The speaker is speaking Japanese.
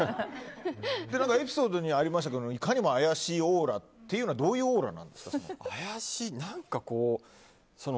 エピソードにありましたけどいかにも怪しいオーラってどういうオーラなんですか？